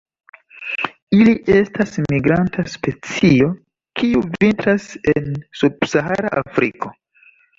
Ili estas migranta specio, kiu vintras en subsahara Afriko.